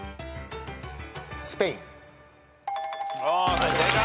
はい正解。